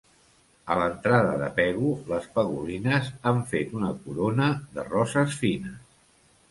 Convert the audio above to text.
A l'entrada de Pego les pegolines han fet una corona de roses fines.